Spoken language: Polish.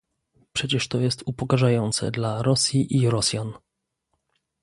Przecież to jest upokarzające dla Rosji i Rosjan